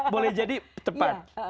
boleh jadi tepat